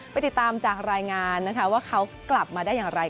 ไปติดตามจากรายงานนะคะว่าเขากลับมาได้อย่างไร